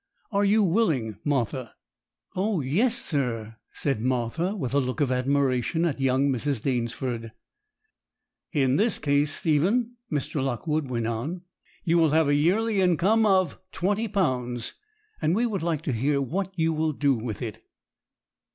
Are you willing, Martha?' 'Oh yes, sir!' said Martha, with a look of admiration at young Mrs. Danesford. 'In this case, Stephen,' Mr. Lockwood went on, 'you will have a yearly income of £20, and we would like to hear what you will do with it?'